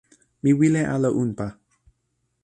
mi wile ala unpa.